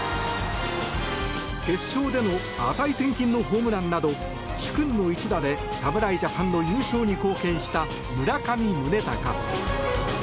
決勝での値千金のホームランなど殊勲の一打で侍ジャパンの優勝に貢献した村上宗隆。